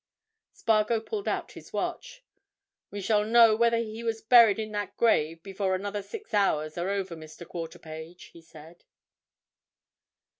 Spargo pulled out his watch. "We shall all know whether he was buried in that grave before another six hours are over, Mr. Quarterpage," he said.